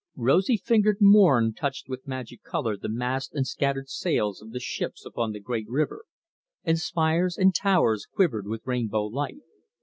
Rosy fingered morn touched with magic colour the masts and scattered sails of the ships upon the great river, and spires and towers quivered with rainbow light.